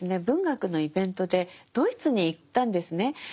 文学のイベントでドイツに行ったんですね。